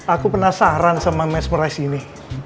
aku penasaran sama mesmerize ini